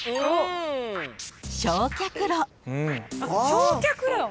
［焼却炉］